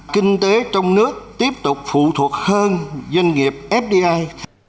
kinh tế trong nước tiếp tục phụ thuộc hơn doanh nghiệp fdi